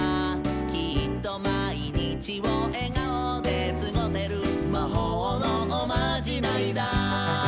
「きっとまいにちをえがおですごせる」「まほうのおまじないだ」